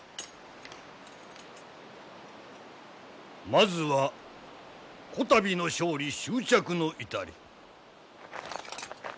まずはこたびの勝利祝着の至り。